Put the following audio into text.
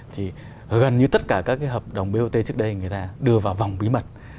thì gần như tất cả các cái hợp đồng bot trước đây người ta đưa vào vòng bí mật